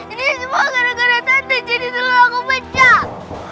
ini semua gara gara tante jadi seluruh aku pecah